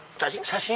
写真？